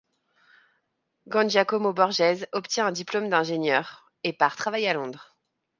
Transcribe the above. Giangiacomo Borghese obtient un diplôme d'ingénieur et part travailler à Londres.